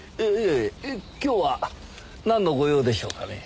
えっ今日はなんのご用でしょうかね？